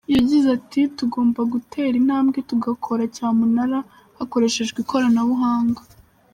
Yagize ati “Tugomba gutera intambwe tugakora icyamunara hakoreshejwe ikoranabuhanga.